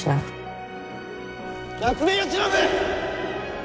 夏目吉信！